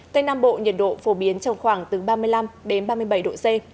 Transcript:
tây nam bộ nhiệt độ phổ biến trong khoảng từ ba mươi năm đến ba mươi bảy độ c